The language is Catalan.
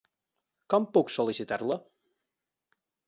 Com puc sol·licitar-la?